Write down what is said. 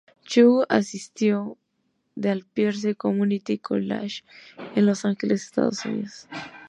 Chou asistió al Pierce Community College en Los Ángeles, Estados Unidos.